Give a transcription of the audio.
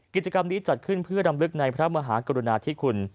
กิจกรรมนี้จัดขึ้นเพื่อรำลึกในพระมหากรุณาธิคุณ